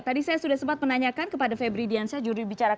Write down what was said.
tadi saya sudah sempat menanyakan kepada febri diansyah jurubicara kpk